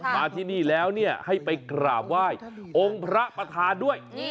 มาที่นี่แล้วให้ไปกราบไหว้องค์พระประธานด้วย